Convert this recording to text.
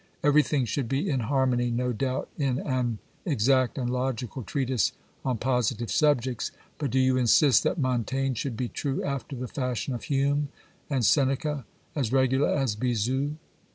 Everything should be in harmony no doubt in an exact and logical treatise on positive subjects ;/ Ixxxii PREFATORY OBSERVATIONS but do you insist that Montaigne should be true after the fashion of Hume, and Seneca, as regular as Bezout?